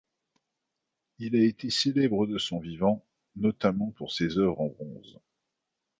Il a été célèbre de son vivant, notamment pour ses œuvres en bronze.